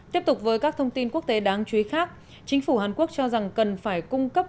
tiếp tục với các thông tin quốc tế đáng chú ý khác chính phủ hàn quốc cho rằng cần phải cung cấp